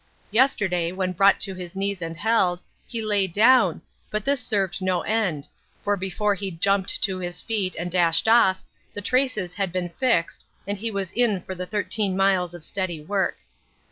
Yesterday when brought to his knees and held, he lay down, but this served no end, for before he jumped to his feet and dashed off the traces had been fixed and he was in for the 13 miles of steady work.